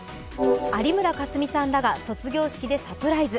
有村架純さんらが卒業式でサプライズ。